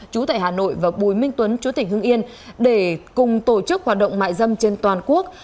chú tại hà nội và bùi minh tuấn chú tỉnh hưng yên để cùng tổ chức hoạt động mại dâm trên toàn quốc